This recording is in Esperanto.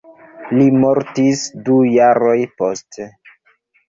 Li mortis du jaroj poste.